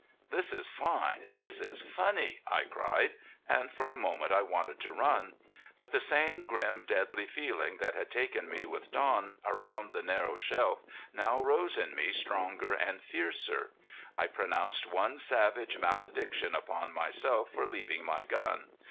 "This is fine! This is funny!" I cried, and for a moment I wanted to run. But the same grim, deadly feeling that had taken me with Don around the narrow shelf now rose in me stronger and fiercer. I pronounced one savage malediction upon myself for leaving my gun.